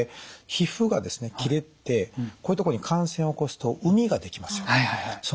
皮膚がですね切れてこういうとこに感染を起こすとうみが出来ますよね？